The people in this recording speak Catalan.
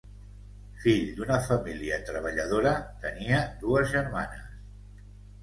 Fill d'una família treballadora, tenia dues germanes.